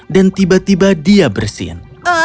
tiba tiba dia bersin